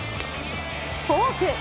フォーク。